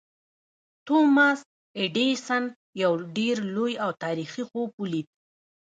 توماس ایډېسن یو ډېر لوی او تاریخي خوب ولید